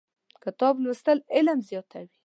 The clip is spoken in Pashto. کتاب لوستل علم زیاتوي.